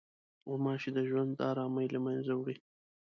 غوماشې د ژوند ارامي له منځه وړي.